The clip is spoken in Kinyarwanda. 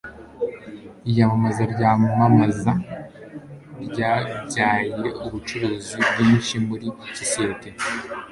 iyamamaza ryamamaza ryabyaye ubucuruzi bwinshi muri sosiyete